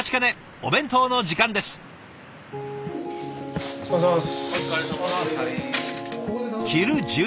お疲れさまです。